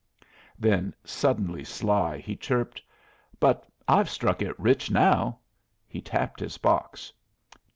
Then, suddenly sly, he chirped: "But I've struck it rich now." He tapped his box.